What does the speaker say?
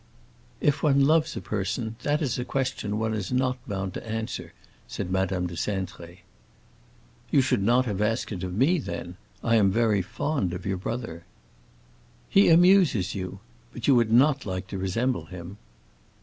"If one loves a person, that is a question one is not bound to answer," said Madame de Cintré. "You should not have asked it of me, then. I am very fond of your brother." "He amuses you. But you would not like to resemble him."